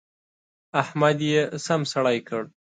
احمد يې سم سړی کړ.